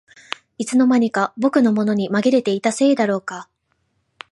いつの間にか僕のものにまぎれていたせいだろうか